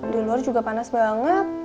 di luar juga panas banget